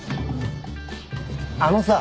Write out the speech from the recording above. あのさ。